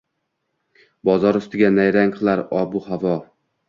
Boz ustiga nayrang qilar obu havo: